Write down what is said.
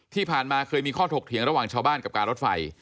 ที่ผ่านมาเคยมีข้อถกเถียงระหว่างชาวบ้านกับการรถไฟ